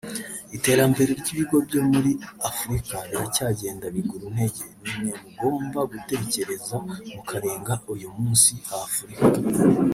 Iterambere ry’ibigo byo muri Afurika riracyagenda biguru ntege […] Ni mwe mugomba gutekereza mukarenga uyu munsi ha Afurika